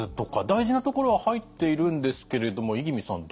大事なところは入っているんですけれども五十君さん